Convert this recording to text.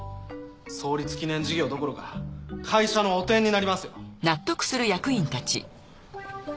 創立記念事業どころか会社の汚点になりますよ。